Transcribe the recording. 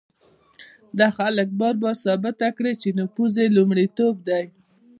دا خلک بار بار ثابته کړې چې نفوذ یې لومړیتوب دی.